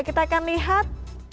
kita akan lihat